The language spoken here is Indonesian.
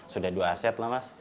sudah dua aset lah mas